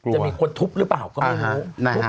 จะมีคนทุบหรือเปล่าก็ไม่รู้